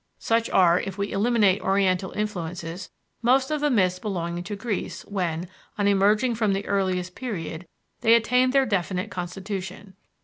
Such are, if we eliminate oriental influences, most of the myths belonging to Greece when, on emerging from the earliest period, they attained their definite constitution.